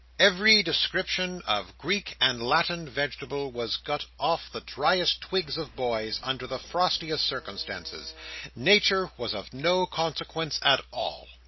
Every description of Greek and Latin vegetable was got off the driest twigs of boys, under the frostiest circumstances. Nature was of no consequence at all.